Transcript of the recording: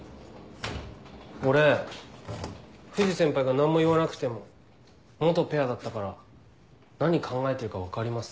俺藤先輩が何も言わなくても元ペアだったから何考えてるか分かります。